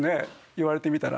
言われてみたら。